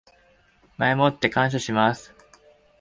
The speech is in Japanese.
前もって感謝します